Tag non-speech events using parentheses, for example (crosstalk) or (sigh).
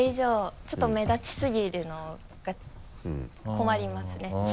ちょっと目立ちすぎるのが困りますね (laughs)